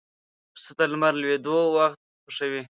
پسه د لمر لوېدو وخت خوښوي.